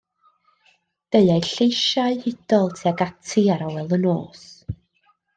Deuai lleisiau hudol tuag ati ar awel y nos.